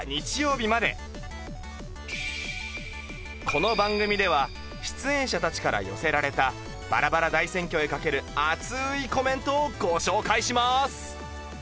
この番組では出演者たちから寄せられたバラバラ大選挙へかけるアツいコメントをご紹介します！